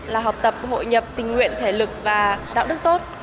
là học tập hội nhập tình nguyện thể lực và đạo đức tốt